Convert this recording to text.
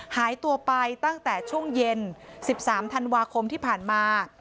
หายตัวไปตั้งแต่ช่วงเย็น๑๓ธันวาคมที่ผ่านมา